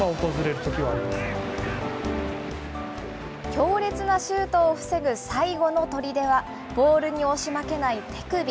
強烈なシュートを防ぐ最後のとりでは、ボールに押し負けない手首。